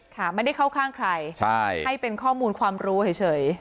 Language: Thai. ค่ะไม่ได้เข้าข้างใครใช่ให้เป็นข้อมูลความรู้เฉย